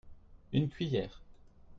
Une cuillère.